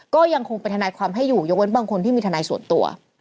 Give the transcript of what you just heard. ก็ยังคงเป็นทนายความให้อยู่ยกเว้นบางคนที่มีทนายส่วนตัว